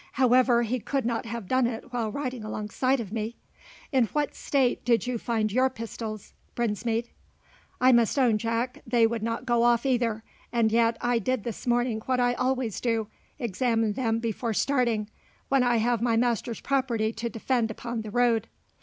However, he could not have done it while riding alongside of me. In what state did you find your pistols, Brinsmead?" "I must own, Jack, they would not go off either; and yet I did this morning what I always do, examine them before starting, when I have my master's property to defend upon the road."